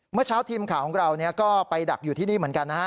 เมื่อเช้าทีมข่าวของเราก็ไปดักอยู่ที่นี่เหมือนกันนะฮะ